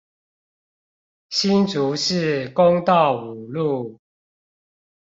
新竹市公道五路